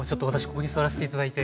ここに座らせて頂いて。